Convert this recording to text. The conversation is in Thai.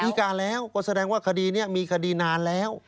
มีการแล้วก็แสดงว่าคดีนี้มีคดีนานแล้ว